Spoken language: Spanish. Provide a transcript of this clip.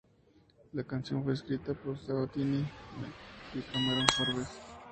La canción fue escrita por Sabatini, MdL y Cameron Forbes.